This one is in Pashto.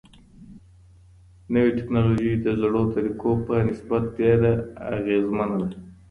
نوي ټيکنالوژي د زړو طريقو په نسبت ډيره اغيزمنه ده.